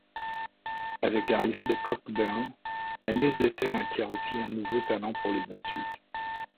Avec l'arrivée de Cockburn, la newsletter acquiert aussi un nouveau talent pour les insultes.